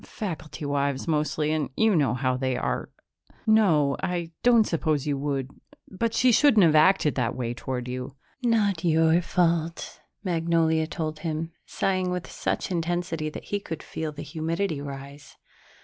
Faculty wives mostly and you know how they are.... No, I don't suppose you would. But she shouldn't have acted that way toward you." "Not your fault," Magnolia told him, sighing with such intensity that he could feel the humidity rise.